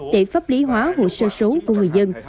để pháp lý hóa hồ sơ số của người dân